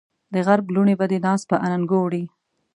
د غرب لوڼې به دې ناز په اننګو وړي